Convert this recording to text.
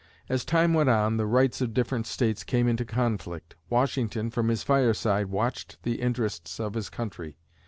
As time went on, the rights of different States came into conflict. Washington, from his fireside, watched the interests of his country.